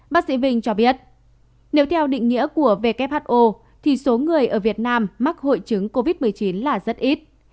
bác sĩ vinh cho biết nếu theo định nghĩa của who thì số người ở việt nam mắc hội chứng covid một mươi chín là rất ít